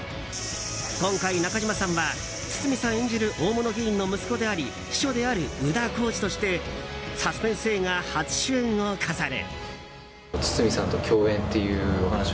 今回、中島さんは堤さん演じる大物議員の息子であり秘書である宇田晄司としてサスペンス映画初主演を飾る。